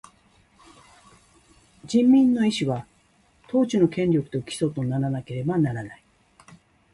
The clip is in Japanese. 人民の意思は、統治の権力を基礎とならなければならない。